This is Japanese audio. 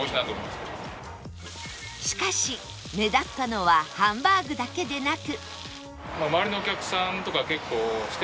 しかし目立ったのはハンバーグだけでなく